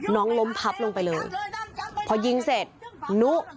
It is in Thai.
น้องล้มพับลงไปเลยพอยิงเสร็จนุ